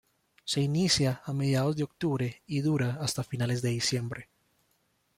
Se inicia a mediados de octubre y dura hasta finales de diciembre.